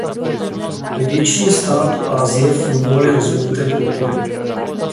Ve většině států Asie fungovaly rozvinuté kultury.